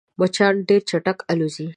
مچان ډېر چټک الوزي